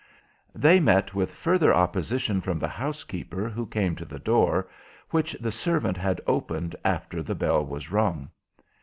They met with further opposition from the housekeeper who came to the door which the servant had opened after the bell was rung.